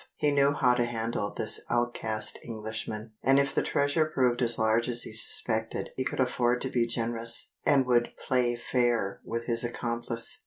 He knew how to handle this outcast Englishman, and if the treasure proved as large as he suspected, he could afford to be generous, and would play fair with his accomplice.